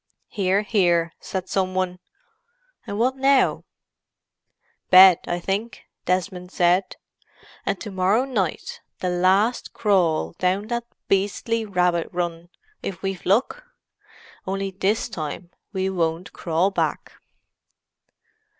"Hear, hear!" said some one. "And what now?" "Bed, I think," Desmond said. "And to morrow night—the last crawl down that beastly rabbit run, if we've luck. Only this time we won't crawl back."